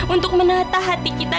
untuk menata hati kita